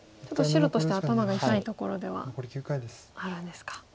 ちょっと白としては頭が痛いところではあるんですか。